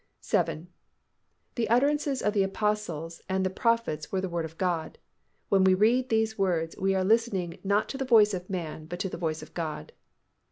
7. _The utterances of the Apostles and the prophets were the Word of God. When we read these words, __ we are listening not to the voice of man, but to the voice of God.